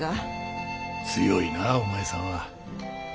強いなお前さんは。